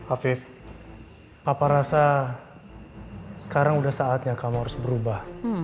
afif papa rasa sekarang sudah saatnya kamu harus berubah